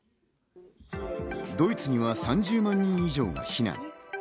ドイツには３０万人以上が避難。